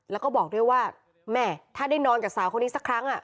แล้วก็บอกด้วยว่าแม่ถ้าได้นอนกับสาวคนนี้สักครั้ง